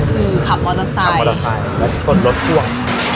คือขับมอเตอร์ไซด์ขับมอเตอร์ไซด์แล้วจะชนรถพวก